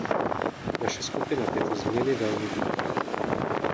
Naše skupina tyto změny velmi vítá.